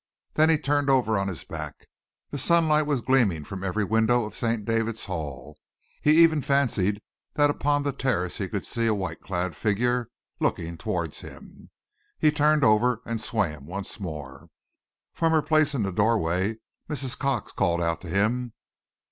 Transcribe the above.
Then he turned over on his back. The sunlight was gleaming from every window of St. David's Hall. He even fancied that upon the terrace he could see a white clad figure looking towards him. He turned over and swam once more. From her place in the doorway Mrs. Cox called out to him.